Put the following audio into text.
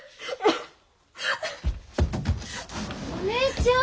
お姉ちゃん！